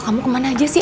al kamu kemana aja sih